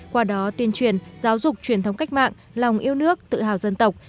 qua đó tuyên truyền giáo dục truyền thống cách mạng lòng yêu nước tự hào dân tộc